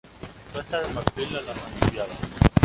Costa de Marfil en las Olimpíadas